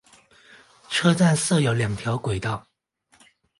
车站设有两条轨道。